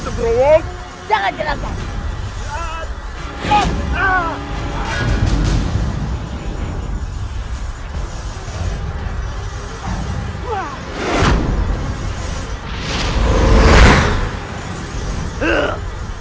aku yang patas mendapatkan mahu